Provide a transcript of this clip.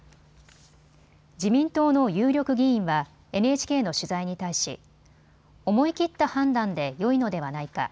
自民党の有力議員はＮＨＫの取材に対し、思い切った判断でよいのではないか。